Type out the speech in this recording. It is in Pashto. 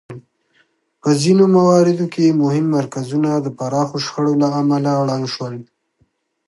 په ځینو مواردو کې مهم مرکزونه د پراخو شخړو له امله ړنګ شول